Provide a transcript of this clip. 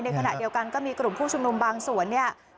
ในขณะเดียวกันก็มีกลุ่มผู้ชุมหนุ่มบางส่วน